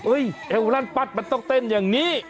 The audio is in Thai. เอวลั่นปัดมันต้องเต้นอย่างนี้